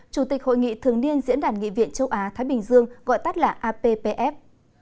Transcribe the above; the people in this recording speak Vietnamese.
chủ tịch hội nghị thường niên diễn đàn nghị viện châu á thái bình dương gọi tắt là appf